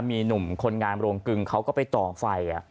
มีหนุ่มคนงานโรงกึ่งเขาก็ไปต่อไฟ